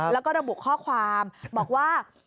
แล้วก็ระบุข้อความบอกว่า